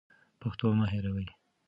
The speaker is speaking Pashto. پښتو مه هېروئ.